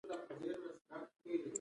تخفیف د خرڅلاو ارقام لوړوي.